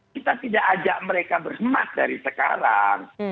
kita tidak ajak mereka berhemat dari sekarang